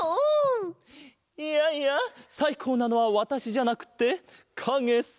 いやいやさいこうなのはわたしじゃなくってかげさ！